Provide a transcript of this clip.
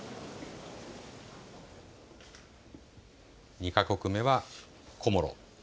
２か国目はコモロ。